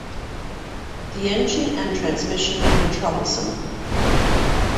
The engine and transmission were troublesome.